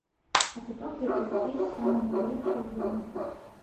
А куток гэты ўвесь з самай найлепшай гліны.